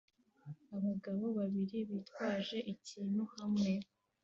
Abagabo babiri bitwaje ikintu hamwe